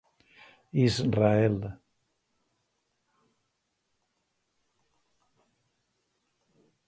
Israel.